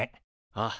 ああ。